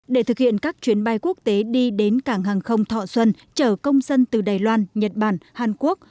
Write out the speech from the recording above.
để thực hiện các chuyến bay quốc tế đi đến cảng hàng không thọ xuân chở công dân từ đài loan nhật bản hàn quốc